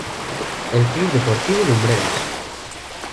El Club Deportivo Lumbreras.